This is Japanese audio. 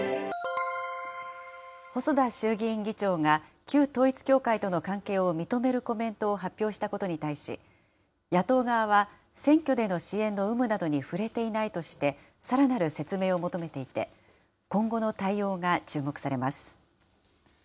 細田衆議院議長が旧統一教会との関係を認めるコメントを発表したことに対し、野党側は選挙での支援の有無などに触れていないとして、さらなる説明を求めていて、今後の対応が注目されます。